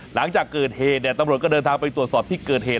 หลังจากเกิดเหตุเนี่ยตำรวจก็เดินทางไปตรวจสอบที่เกิดเหตุ